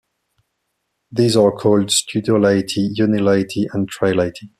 These are called Studiolite, Unilite and Trilite.